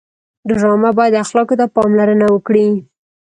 ډرامه باید اخلاقو ته پاملرنه وکړي